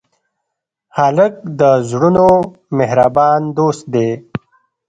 هلک د زړونو مهربان دوست دی.